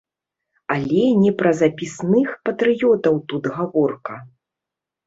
Але не пра запісных патрыётаў тут гаворка.